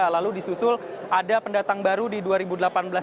lalu disusul ada pendatang baru di dua ribu delapan belas